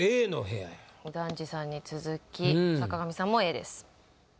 右團次さんに続き坂上さんもＡです